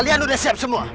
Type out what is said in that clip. kalian sudah siap semua